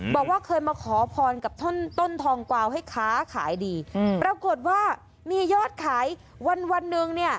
บอกว่าเคยมาขอพรกับต้นต้นทองกวาวให้ค้าขายดีปรากฏว่ามียอดขายวันวันหนึ่งเนี่ย